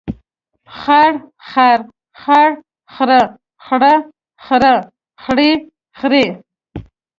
خړ خر، خړ خره، خړه خره، خړې خرې.